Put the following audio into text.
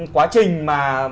quá trình mà